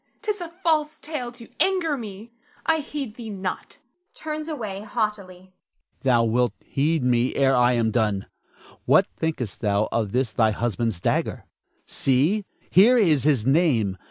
'Tis a false tale to anger me. I heed thee not [turns away haughtily]. Don Felix. Thou wilt heed me ere I am done. What thinkest thou of this thy husband's dagger? See, here his name.